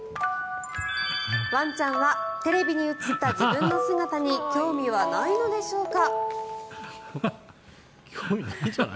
ワンちゃんはテレビに映った自分の姿に興味はないのでしょうか。